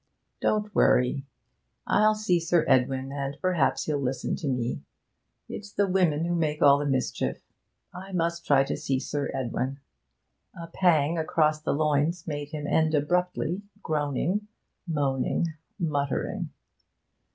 Don't worry. I'll see Sir Edwin, and perhaps he'll listen to me. It's the women who make all the mischief. I must try to see Sir Edwin ' A pang across the loins made him end abruptly, groaning, moaning, muttering.